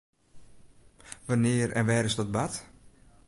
Wannear en wêr is dat bard?